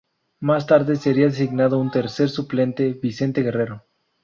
Más tarde sería designado un tercer suplente: Vicente Guerrero.